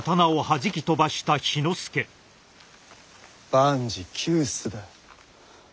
万事休すだ。